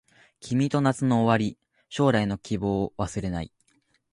君と夏の終わり将来の希望忘れない